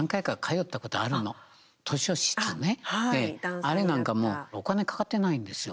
あれなんかもうお金かかってないんですよ